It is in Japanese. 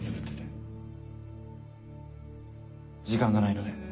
時間がないので。